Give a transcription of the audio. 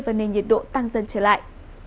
và nên nhiệt độ tăng dần trở lại